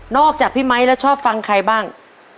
จากพี่ไมค์แล้วชอบฟังใครบ้าง